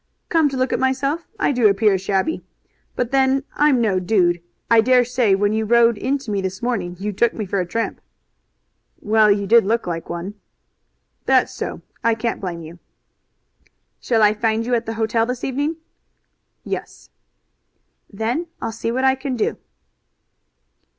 "Come to look at myself I do appear shabby. But then I'm no dude. I dare say when you rode into me this morning you took me for a tramp." "Well, you did look like one." "That's so. I can't blame you." "Shall I find you at the hotel this evening?" "Yes." "Then I'll see what I can do."